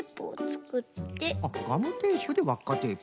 あっガムテープでわっかテープ。